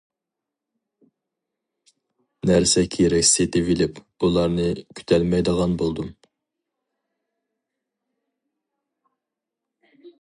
نەرسە- كېرەك سېتىۋېلىپ ئۇلارنى كۈتەلمەيدىغان بولدۇم.